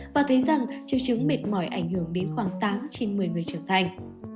và thấy rằng triệu chứng mệt mỏi ảnh hưởng đến khoảng tám trên một mươi người trưởng thành